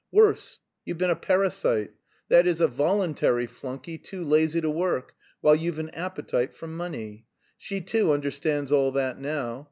"Worse, you've been a parasite, that is, a voluntary flunkey too lazy to work, while you've an appetite for money. She, too, understands all that now.